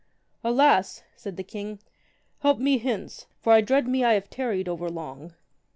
Alas, said the king, help me hence, for I dread me I have tarried over long.